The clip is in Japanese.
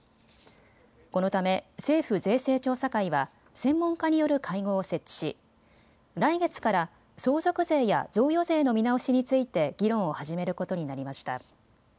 このため政府税制調査会は専門家による会合を設置し来月から相続税や贈与税の見直しについて議論を始めることになりました。